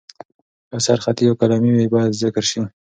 که اثر خطي یا قلمي وي، باید ذکر شي.